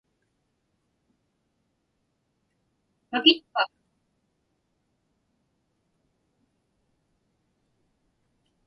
Makitpa?